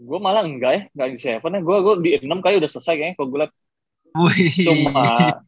gue malah enggak ya gak di tujuh ya gue di enam kali udah selesai kayaknya kalo gue liat semua